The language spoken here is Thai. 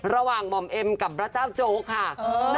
ระหว่างหมอเอ็มกับพระเจ้าโจ๊กค่ะ